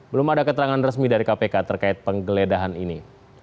belum ada keterangan resmi dari kpk terkait penggeledahan ini